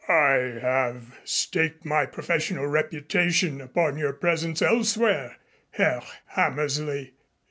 "I have staked my professional reputation upon your presence elsewhere, Herr Hammersley.